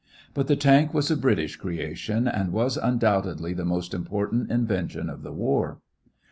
But the tank was a British creation and was undoubtedly the most important invention of the war.